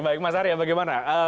baik mas arya bagaimana